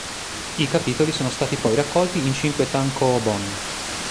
I capitoli sono stati poi raccolti in cinque tankōbon.